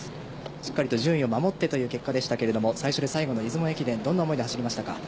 しっかり順位を守ってという結果でしたが最初で最後の出雲駅伝どんな思いで走りましたか。